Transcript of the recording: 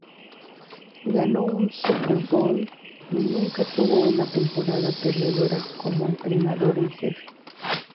Ganó un Super Bowl y nunca tuvo una temporada perdedora como entrenador en jefe.